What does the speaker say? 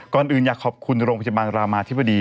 ก่อนอื่นอยากขอบคุณโรงพยาบาลรามาธิบดี